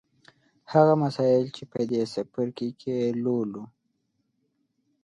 هغه مسایل چې په دې څپرکي کې یې لولو